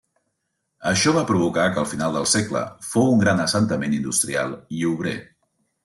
Això va provocar que al final del segle fou un gran assentament industrial i obrer.